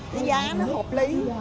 cái giá nó hợp lý